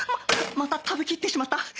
また食べきってしまった